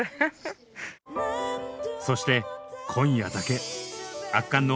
そして今夜だけ！